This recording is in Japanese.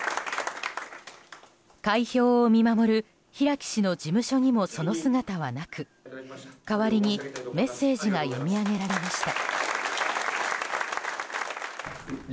開票を見守る平木氏の事務所にもその姿はなく代わりにメッセージが読み上げられました。